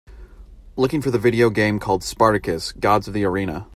Looking for the video game called Spartacus: Gods of the Arena